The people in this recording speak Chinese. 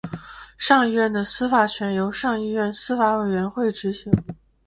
上议院的司法权由上议院司法委员会执行。